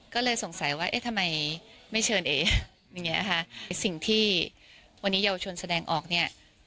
ก็เลยสงสัยว่าเอ๊ะทำไมไม่เชิญเออย่างเงี้ยค่ะไอ้สิ่งที่วันนี้เยาวชนแสดงออกเนี่ย